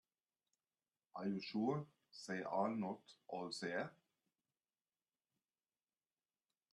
Are you sure they are not all there?